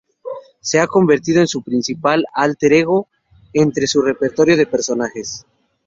Se ha convertido en su principal álter ego entre su repertorio de personajes.